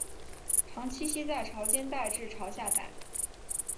常栖息在潮间带至潮下带。